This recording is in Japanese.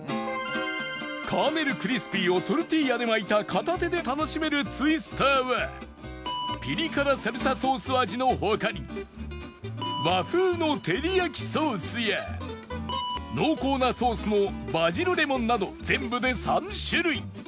カーネルクリスピーをトルティーヤで巻いた片手で楽しめるツイスターはピリ辛サルサソース味の他に和風のてりやきソースや濃厚なソースのバジルレモンなど全部で３種類